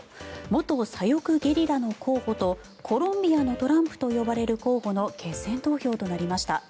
元左翼ゲリラの候補とコロンビアのトランプと呼ばれる候補の決選投票となりました。